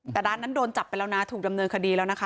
แต่ร้านนั้นโดนจับไปแล้วนะถูกดำเนินคดีแล้วนะคะ